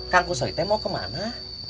kang kusoy teh mau kemana